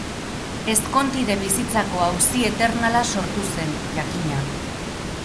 Ezkontide-bizitzako auzi eternala sortu zen, jakina.